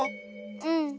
うん。